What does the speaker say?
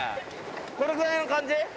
これぐらいな感じ？